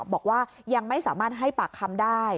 บอกว่ายังไม่สามารถให้ปากคำได้